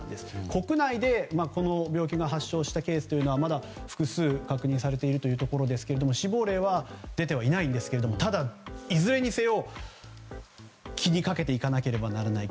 国内でこの病気が発症したケースはまだ複数確認されているというところですが死亡例は出てはいないんですがただ、いずれにせよ気にかけていかなければならない。